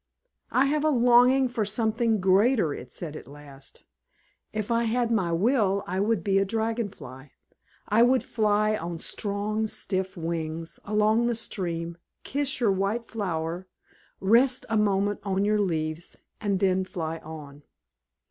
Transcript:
"I have a longing for something greater," it said at last. "If I had my will, I would be a Dragon Fly. I would fly on strong, stiff wings along the stream, kiss your white flower, rest a moment on your leaves, and then fly on."